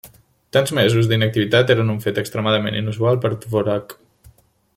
Tants mesos d'inactivitat eren un fet extremadament inusual per Dvořák.